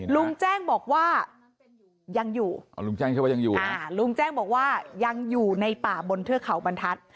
ลุงแจ้งบอกว่ายังอยู่ลุงแจ้งบอกว่ายังอยู่ในป่าบนเทือเข่าบรรทัศน์